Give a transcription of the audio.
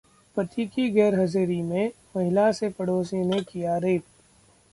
पति की गैरहाजिरी में महिला से पड़ोसी ने किया रेप